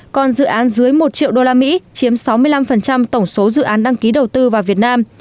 còn dự án dưới một triệu usd chiếm sáu mươi năm tổng số dự án đăng ký đầu tư vào việt nam